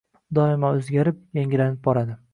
doimo o’zgarib, yangilanib boradi.